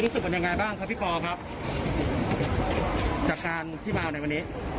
รู้สึกเป็นยังไงบ้างครับพี่ปอครับจากการที่มาในวันนี้